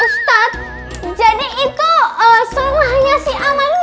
ustadz jadi itu salahnya si amalia